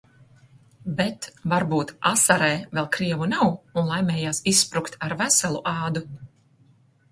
"Bet, varbūt Asarē vēl krievu nav un laimējās izsprukt "ar veselu ādu"."